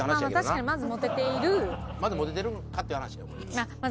まずモテてるんかっていう話よ。